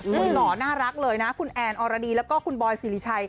หล่อน่ารักเลยคุณแอนอรดีและบอยศิริชัย